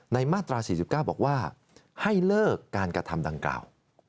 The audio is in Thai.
มาตรา๔๙บอกว่าให้เลิกการกระทำดังกล่าว